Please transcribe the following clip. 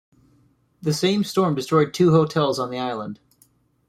The same storm destroyed two hotels on the island.